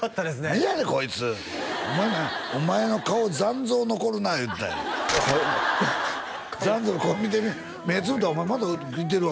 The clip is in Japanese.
何やねんこいつお前お前の顔残像残るな言うてたんやこれ残像こう見てみ目つぶってもお前まだいてるわ